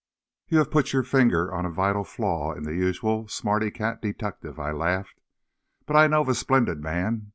"You have put your finger on a vital flaw in the usual Smarty Cat detective," I laughed. "But I know of a splendid man.